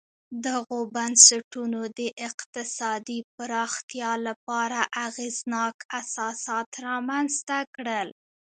دغو بنسټونو د اقتصادي پراختیا لپاره اغېزناک اساسات رامنځته کړل